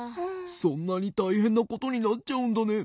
そんなにたいへんなことになっちゃうんだね。